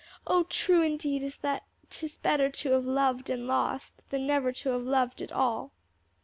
Oh true indeed is it that 'Tis better to have loved and lost, Than never to have loved at all."